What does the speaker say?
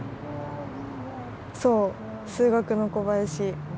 そう数学の小林。